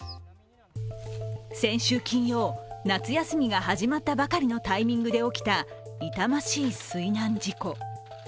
先週金曜、夏休みが始まったばかりのタイミングで起きた痛ましい水難事故。